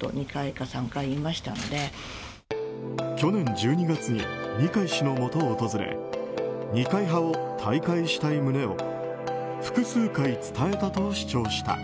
去年１２月に二階氏のもとを訪れ二階派を退会したい旨を複数回伝えたと主張した。